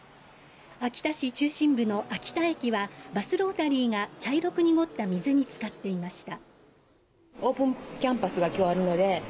秋田市中心部の秋田駅はバスロータリーが茶色く濁った水に浸かっていました。